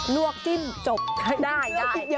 นวกจิ้มจบได้